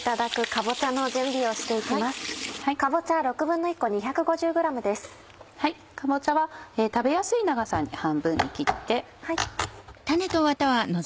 かぼちゃは食べやすい長さに半分に切って。